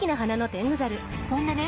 そんでね